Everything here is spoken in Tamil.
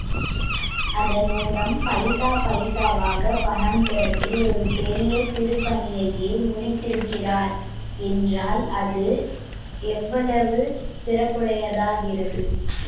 அதன் மூலம் பைசா பைசாவாக பணம் திரட்டி, ஒரு பெரிய திருப்பணியையே முடித்திருக்கிறார் என்றால் அது எவ்வளவு சிறப்புடையதாகிறது.